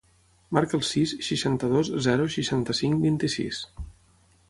Marca el sis, seixanta-dos, zero, seixanta-cinc, vint-i-sis.